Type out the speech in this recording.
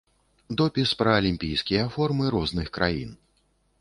Допіс пра алімпійскія формы розных краін.